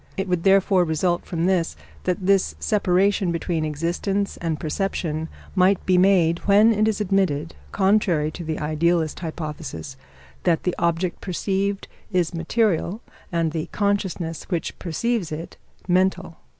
It would therefore result from this that this separation between existence and perception might be made, when it is admitted (contrary to the idealist hypothesis) that the object perceived is material and the consciousness which perceives it mental.